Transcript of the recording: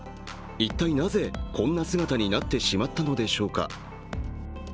一体なぜ、こんな姿になってしまったのでしょうか。